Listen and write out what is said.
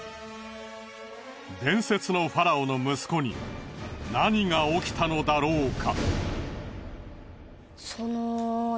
伝説のファラオの息子に何が起きたのだろうか？